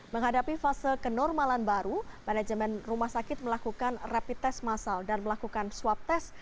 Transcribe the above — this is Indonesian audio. menghadapi fase kenormalan baru manajemen rumah sakit melakukan rapid test masal dan melakukan swab test